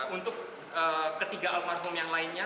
untuk ketiga almarhum yang lainnya